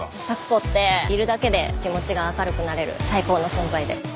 咲子っているだけで気持ちが明るくなれる最高の存在で。